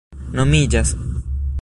nomiĝas